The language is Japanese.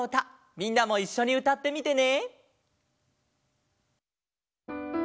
みんなもいっしょにうたってみてね。